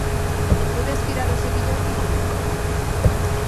Pode aspirar o Sevilla ao titulo?